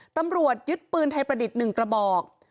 ตำรวจยึดปืนไทยประดิษฐ์๑กระบอก